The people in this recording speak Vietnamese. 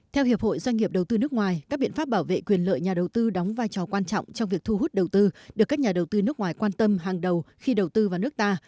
theo hiệp hội doanh nghiệp đầu tư nước ngoài các biện pháp bảo vệ quyền lợi nhà đầu tư đóng vai trò quan trọng trong việc thu hút đầu tư được các nhà đầu tư nước ngoài quan tâm hàng đầu khi đầu tư vào nước ta